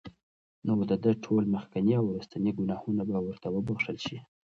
نو د ده ټول مخکيني او وروستني ګناهونه به ورته وبخښل شي